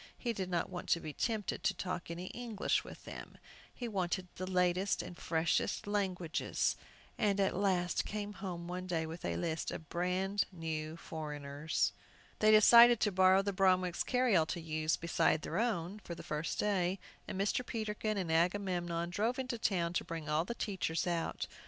He did not want to be tempted to talk any English with them. He wanted the latest and freshest languages, and at last came home one day with a list of "brand new foreigners." They decided to borrow the Bromwicks' carryall to use, beside their own, for the first day, and Mr. Peterkin and Agamemnon drove into town to bring all the teachers out.